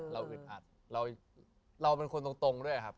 อึดอัดเราเป็นคนตรงด้วยครับ